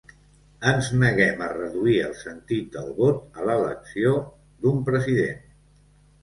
Ens neguem a reduir el sentit del vot a l’elecció d’un president.